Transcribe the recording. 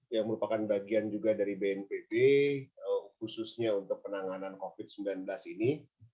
yang merupakan bagian juga dari bnpb khususnya untuk penanganan covid sembilan belas ini